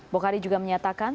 bokhari juga menyatakan